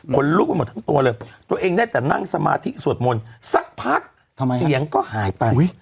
ลุกไปหมดทั้งตัวเลยตัวเองได้แต่นั่งสมาธิสวดมนต์สักพักเสียงก็หายไป